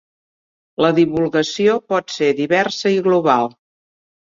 La divulgació pot ser diversa i global.